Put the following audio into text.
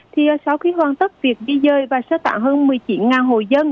thì sau khi hoàn tất việc đi rơi và xếp tạng hơn một mươi chín hồ dân